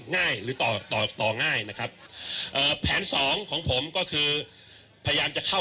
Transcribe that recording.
หรือต่อต่อต่อต่อง่ายนะครับเอ่อแผนสองของผมก็คือพยายามจะเข้า